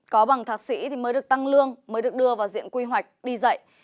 có bằng thạc sĩ thì mới được tăng lương mới được đưa vào diện quy hoạch đi dạy